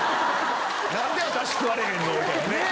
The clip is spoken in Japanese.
「何で私食われへんの？」。